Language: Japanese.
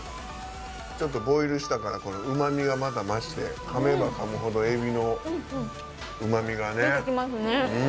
ちょっとボイルしたからうまみがまた増してかめばかむほどエビのうまみがね。出てきますね。